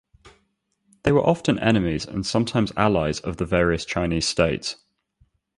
They were often enemies and sometimes allies of the various Chinese states.